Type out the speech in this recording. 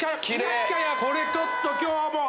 これちょっと今日はもう。